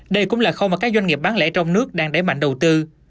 đây cũng là khâu mà các doanh nghiệp bán lẻ trong nước đang đẩy mạnh đầu tư